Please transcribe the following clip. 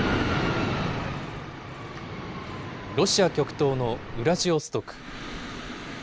ロシア極東のウラジオストク。